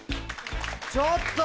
ちょっと！